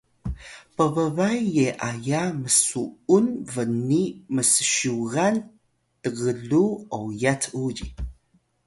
pbbay ye’aya msu’un b’ni ms’syugan tgluw oyat uzi